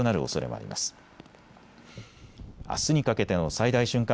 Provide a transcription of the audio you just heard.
あすにかけての最大瞬間